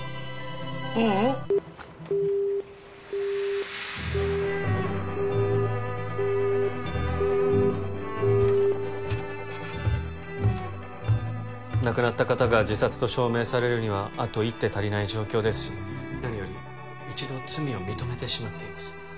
ううん亡くなった方が自殺と証明されるにはあと一手足りない状況ですし何より一度罪を認めてしまっています